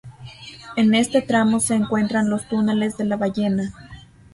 En este tramo se encuentran los túneles de La Ballena.